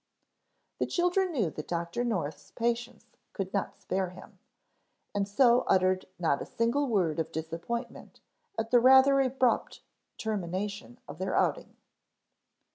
The children knew that Dr. North's patients could not spare him, and so uttered not a single word of disappointment at the rather abrupt termination of their outing.